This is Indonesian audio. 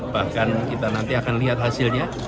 bahkan kita nanti akan lihat hasilnya